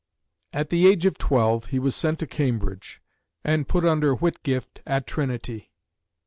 At the age of twelve he was sent to Cambridge, and put under Whitgift at Trinity.